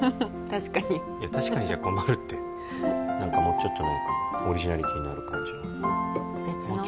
確かにいや確かにじゃ困るって何かもうちょっとないかオリジナリティーのある感じ別の？